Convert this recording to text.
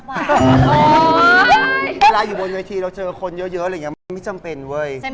เวลาอยู่บนยนตรีเราเจอคนเยอะยังไม่จำเป็นเว้ย